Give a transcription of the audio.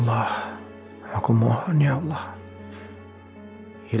ada butuh sesuatu